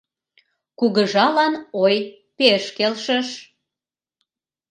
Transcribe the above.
Кугыжалан ой пеш келшыш